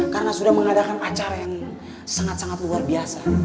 karena sudah mengadakan acara yang sangat sangat luar biasa